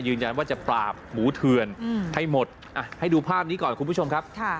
ยืนยันว่าจะปราบหมูเถื่อนให้หมดให้ดูภาพนี้ก่อนคุณผู้ชมครับ